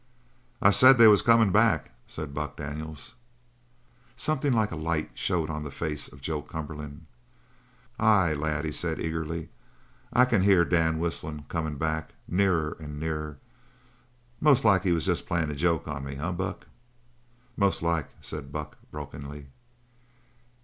"I said they was comin' back," said Buck Daniels. Something like a light showed on the face of Joe Cumberland. "Ay, lad," he said eagerly, "I can hear Dan's whistlin' comin' back nearer and nearer. Most like he was jest playin' a joke on me, eh, Buck?" "Most like," said Buck, brokenly.